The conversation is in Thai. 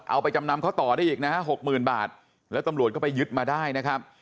เอาไปจำนำเขาต่อได้อีกนะฮะหกหมื่นบาทแล้วตำรวจก็ไปยึดมาได้นะครับ